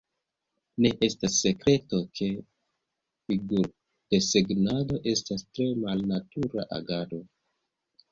Ne estas sekreto, ke figur-desegnado estas tre malnatura agado.